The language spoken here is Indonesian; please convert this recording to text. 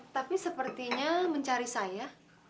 tapi sepertinya mencari saya